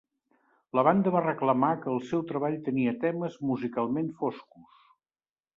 La banda va reclamar que el seu treball tenia temes musicalment foscos.